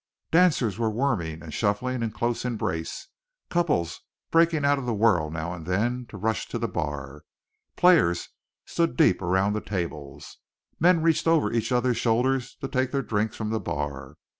Dancers were worming and shuffling in close embrace, couples breaking out of the whirl now and then to rush to the bar; players stood deep around the tables; men reached over each other's shoulders to take their drinks from the bar.